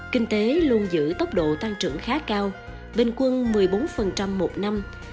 kinh tế luôn giữ tốc độ tăng trưởng khá cao bình quân một mươi bốn một năm